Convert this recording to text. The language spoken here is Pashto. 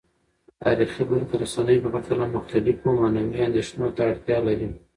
تاریخي برخې د رسنیو په پرتله مختلفو معنوي اندیښنو ته اړتیا لري.